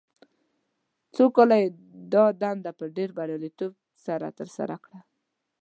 څو کاله یې دا دنده په ډېر بریالیتوب سره ترسره کړه.